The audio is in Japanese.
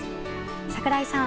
櫻井さん。